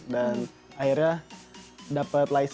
dan akhirnya dapet license